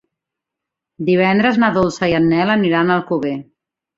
Divendres na Dolça i en Nel aniran a Alcover.